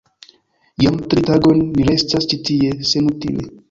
Jam tri tagojn ni restas ĉi tie senutile!